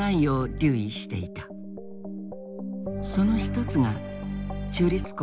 その一つが中立国